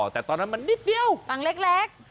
แต่ตอนนั้นมันนิดเดียวตังค์เล็ก